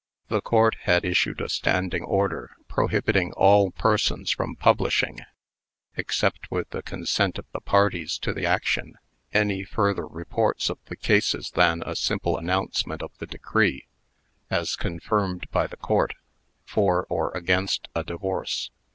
The Court had issued a standing order prohibiting all persons from publishing (except with the consent of the parties to the action) any further reports of the cases than a simple announcement of the decree, as confirmed by the Court, for or against a divorce.